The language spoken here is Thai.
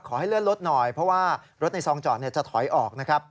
ขอให้เลื่อนรถหน่อยเพราะว่ารถในซองจอดจะถอยออก